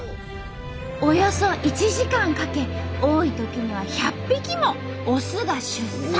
およそ１時間かけ多いときには１００匹もオスが出産。